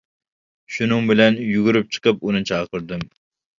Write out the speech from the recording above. شۇنىڭ بىلەن يۈگۈرۈپ چىقىپ ئۇنى چاقىردىم.